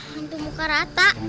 hantu muka rata